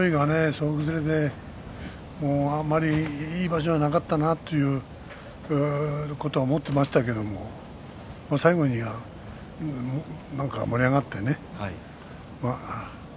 総崩れであまりいい場所ではなかったなということは思っていましたけれども最後には盛り上がってね。